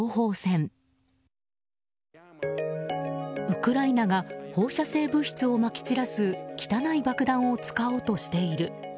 ウクライナが放射性物質をまき散らす汚い爆弾を使おうとしている。